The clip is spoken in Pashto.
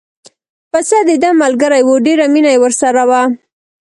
پسه دده ملګری و ډېره مینه یې ورسره وه.